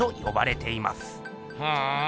ふん。